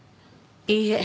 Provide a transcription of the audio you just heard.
いいえ。